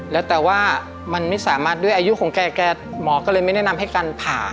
แล้วแต่ว่ามันไม่สามารถด้วยอายุของแกหมอก็เลยไม่แนะนำให้การผ่า